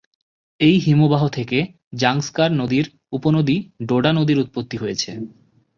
এই হিমবাহ থেকে জাংস্কার নদীর উপনদী ডোডা নদীর উৎপত্তি হয়েছে।